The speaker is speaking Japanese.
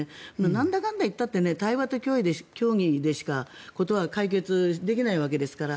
なんだかんだ言ったって対話と協議でしか事は解決できないわけですから。